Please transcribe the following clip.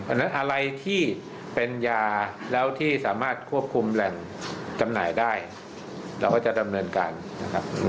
อันนั้นอะไรที่เป็นยาแล้วที่สามารถควบคุมแหล่งจำหน่ายได้เราก็จะดำเนินการนะครับ